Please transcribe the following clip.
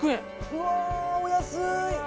うわーお安い！